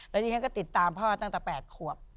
แล้วดิฉันก็ติดตามพ่อตั้งแต่๘ขวบ